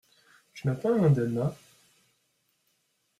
Tu n'as pas un Delna ?